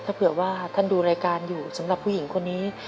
ถ้าเผื่อว่าท่านดูรายการอยู่สำหรับผู้หญิงคนนี้